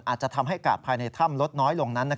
อาจจะทำให้กาดภายในถ้ำลดน้อยลงนั้น